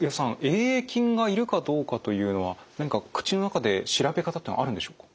Ａ．ａ．菌がいるかどうかというのは何か口の中で調べ方っていうのはあるんでしょうか？